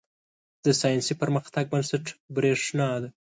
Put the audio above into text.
• د ساینسي پرمختګ بنسټ برېښنا ده.